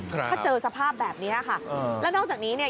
ถ้าเจอสภาพแบบนี้ค่ะแล้วนอกจากนี้เนี่ย